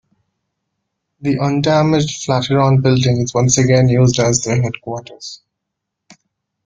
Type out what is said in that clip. The undamaged Flatiron Building is once again used as their headquarters.